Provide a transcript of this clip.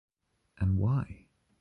And why?